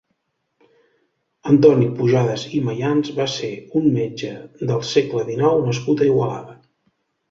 Antoni Pujadas i Mayans va ser un metge del segle dinou nascut a Igualada.